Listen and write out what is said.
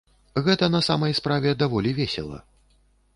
Гэта на самай справе даволі весела.